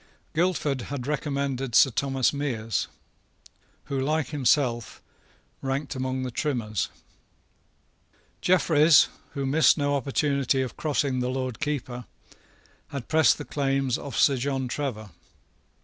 Guildford had recommended Sir Thomas Meres, who, like himself, ranked among the Trimmers. Jeffreys, who missed no opportunity of crossing the Lord Keeper, had pressed the claims of Sir John Trevor.